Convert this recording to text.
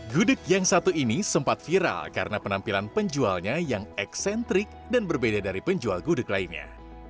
gudeg yang satu ini sempat viral karena penampilan penjualnya yang eksentrik dan berbeda dari penjual gudeg lainnya